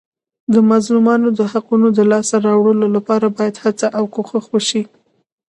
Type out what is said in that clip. د مظلومانو د حقوقو د لاسته راوړلو لپاره باید هڅه او کوښښ وسي.